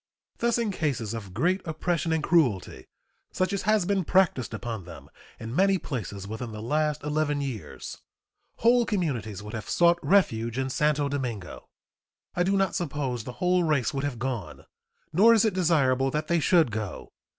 Thus in cases of great oppression and cruelty, such as has been practiced upon them in many places within the last eleven years, whole communities would have sought refuge in Santo Domingo. I do not suppose the whole race would have gone, nor is it desirable that they should go.